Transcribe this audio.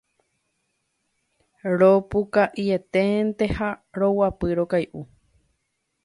Ropukainténte ha roguapy rokay'u